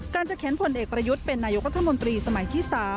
การจะแขนผลเอกระยุดเป็นนายกรัฐมนตรีสมัยที่๓